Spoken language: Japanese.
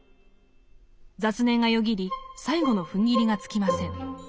雑念がよぎり最後のふんぎりがつきません。